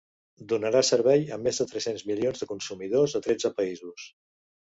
Donarà servei a més de tres-cents milions de consumidors a tretze països.